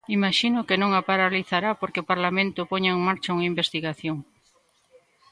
"Imaxino que non a paralizará porque o Parlamento poña en marcha unha investigación".